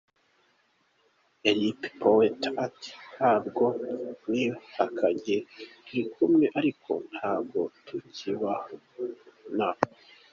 El Poeta ati: “ntago mwihakanye, turi kumwe ariko ntago tukibana.